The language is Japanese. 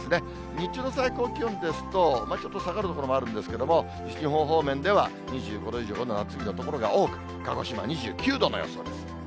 日中の最高気温ですと、ちょっと下がる所もあるんですけれども、西日本方面では２５度以上の夏日の所が多く、鹿児島２９度の予想です。